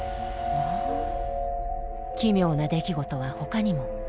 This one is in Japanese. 奇妙な出来事はほかにも。